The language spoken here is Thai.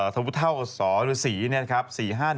ทะพุท่าวสศ๔๕๑๕